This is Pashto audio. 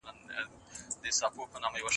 پلار مې تل ماته ګټورې مشورې راکولې.